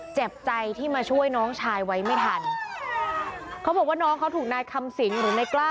เจ็บใจที่มาช่วยน้องชายไว้ไม่ทันเขาบอกว่าน้องเขาถูกนายคำสิงหรือนายกล้า